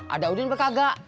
ada udin berkagak